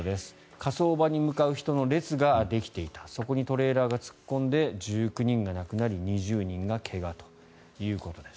火葬場に向かう人の列ができていたそこにトレーラーが突っ込んで１９人が亡くなり２０人が怪我ということです。